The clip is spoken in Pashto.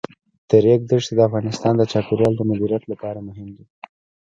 د ریګ دښتې د افغانستان د چاپیریال د مدیریت لپاره مهم دي.